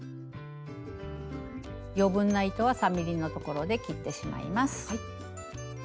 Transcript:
余分な糸は３ｍｍのところで切ってしまいます。